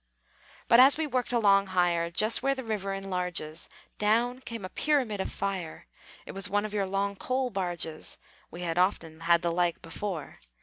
But, as we worked along higher, Just where the river enlarges, Down came a pyramid of fire, It was one of your long coal barges. (We had often had the like before.)